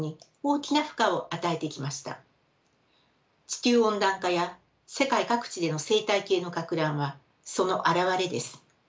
地球温暖化や世界各地での生態系のかく乱はその現れです。